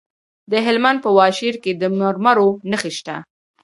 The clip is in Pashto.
د هلمند په واشیر کې د مرمرو نښې شته.